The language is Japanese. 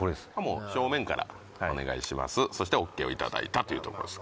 もう正面から「お願いします」そしてＯＫをいただいたというところです